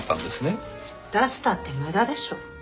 出したって無駄でしょ。